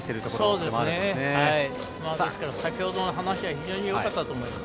ですから先ほどの話は非常によかったと思います。